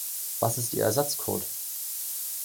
Was ist Ihr Ersatzcode?